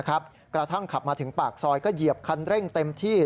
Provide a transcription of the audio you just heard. กระทั่งขับมาถึงปากซอยก็เหยียบคันเร่งเต็มที่